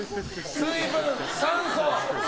水分、酸素。